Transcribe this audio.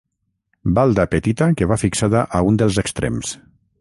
Balda petita que va fixada a un dels extrems.